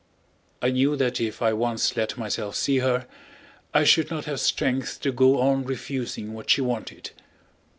I knew that if I once let myself see her I should not have strength to go on refusing what she wanted.